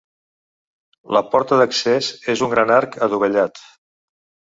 La porta d'accés és un gran arc adovellat.